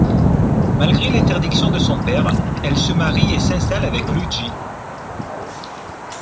Malgré l'interdiction de son père, elle se marie et s'installe avec Luigi.